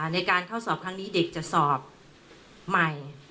ในการเข้าสอบครั้งนี้เด็กจะสอบใหม่